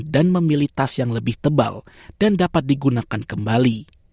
dan memilih tas yang lebih tebal dan dapat digunakan kembali